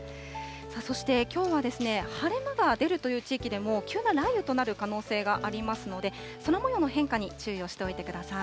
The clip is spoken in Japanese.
そしてきょうは晴れ間が出るという地域でも、急な雷雨となる可能性がありますので、空もようの変化に注意をしておいてください。